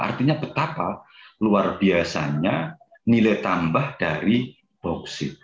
artinya betapa luar biasanya nilai tambah dari bauksit